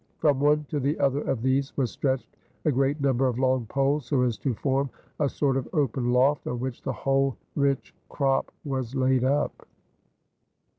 From one to the other of these was stretched a great number of long poles so as to form a sort of open loft, on which the whole rich crop was laid up."